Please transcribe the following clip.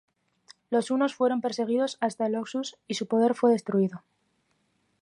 Los hunos fueron perseguidos hasta el Oxus, y su poder fue destruido.